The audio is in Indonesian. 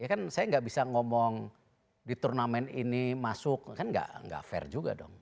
ya kan saya nggak bisa ngomong di turnamen ini masuk kan nggak fair juga dong